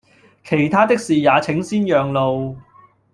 其他的事也請先讓路